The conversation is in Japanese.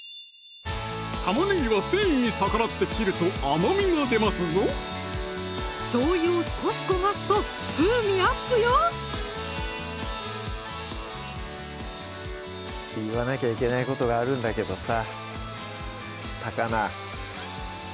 玉ねぎは繊維に逆らって切ると甘みが出ますぞしょうゆを少し焦がすと風味アップよ言わなきゃいけないことがあるんだけどさ